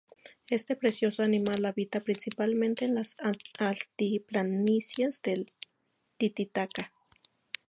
Este precioso animal habita principalmente en las altiplanicies del Titicaca.